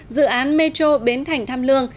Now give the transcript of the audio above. dự án metro bến thành tham lương